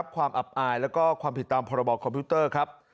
ก็ความผิดตามพระบอดคอมพิวเตอร์ครับ